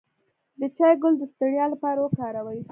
د چای ګل د ستړیا لپاره وکاروئ